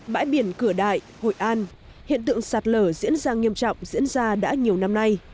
bãi biển cửa đại hội an hiện tượng sạt lở diễn ra nghiêm trọng diễn ra đã nhiều năm nay